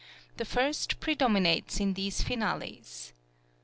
The first predominates in these finales.